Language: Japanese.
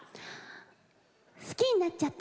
好きになっちゃった。